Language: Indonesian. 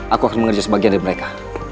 aku akan mengerjakan bagian dari mereka